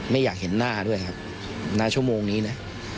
ไม่อยากเห็นหน้าด้วยครับณชั่วโมงนี้นะ